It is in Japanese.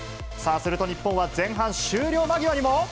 すると日本は、前半終了間際にも。